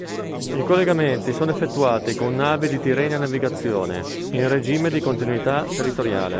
I collegamenti sono effettuati con navi di Tirrenia Navigazione in regime di continuità territoriale.